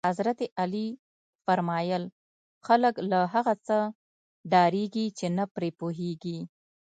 حضرت علی فرمایل: خلک له هغه څه ډارېږي چې نه پرې پوهېږي.